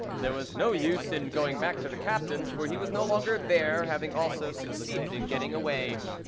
There was no use in going back to the captain's, for he was no longer there, having also succeeded in getting away.